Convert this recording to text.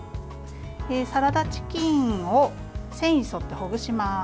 サラダチキンを繊維に沿ってほぐします。